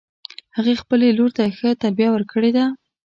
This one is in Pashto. هغې خپل لور ته ښه تربیه ورکړې ده